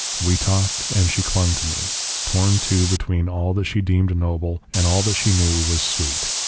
We talked, and she clung to me, torn too between all that she deemed noble and all that she knew was sweet.